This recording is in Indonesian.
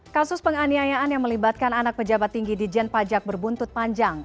kasus penganiayaan yang melibatkan anak pejabat tinggi di jen pajak berbuntut panjang